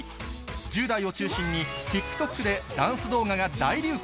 １０代を中心に、ＴｉｋＴｏｋでダンス動画が大流行。